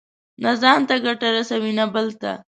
نه ځان ته ګټه رسوي، نه بل ته.